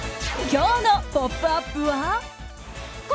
今日の「ポップＵＰ！」は。